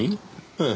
ええ。